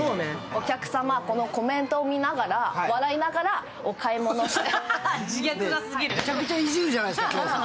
お客様、このコメントを見ながら笑いながらお買い物をして。